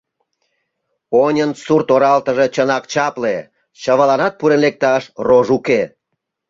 Оньын сурт-оралтыже чынак чапле, чывыланат пурен лекташ рож уке.